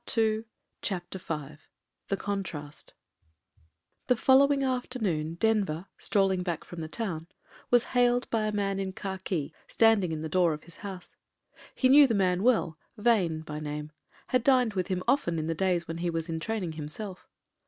..• CHAPTER V THE CONTRAST THE following afternoon Denver, strolling back from the town, was hailed by a man in khaki, standing in the door of his house. He knew the man well, Vane, by name — had dined with him often in the days when he was in training himself.